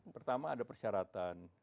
pertama ada persyaratan